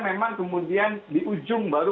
memang kemudian di ujung baru